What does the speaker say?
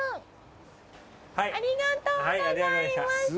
ありがとうございます。